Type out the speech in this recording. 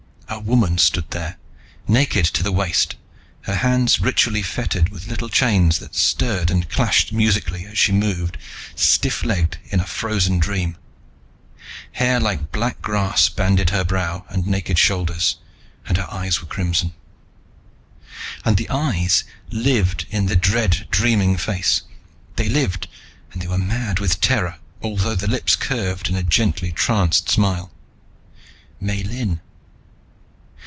A woman stood there, naked to the waist, her hands ritually fettered with little chains that stirred and clashed musically as she moved stiff legged in a frozen dream. Hair like black grass banded her brow and naked shoulders, and her eyes were crimson. And the eyes lived in the dead dreaming face. They lived, and they were mad with terror although the lips curved in a gently tranced smile. Miellyn.